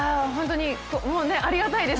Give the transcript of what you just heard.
ありがたいです。